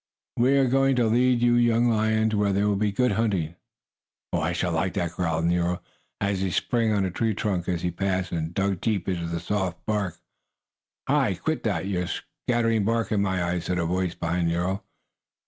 "We are going to lead you young lions where there will be good hunting." "I shall like that," growled Nero, and he sprang on a tree trunk as he passed, and dug deep into the soft bark. "Hi! Quit that! You're scattering bark in my eyes!" said a voice behind Nero.